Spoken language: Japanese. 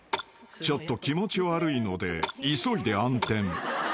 ［ちょっと気持ち悪いので急いで暗転］